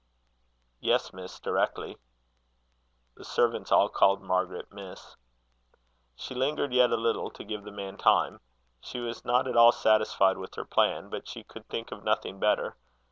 "Yes, Miss, directly." The servants all called Margaret, Miss. She lingered yet a little, to give the man time. She was not at all satisfied with her plan, but she could think of nothing better.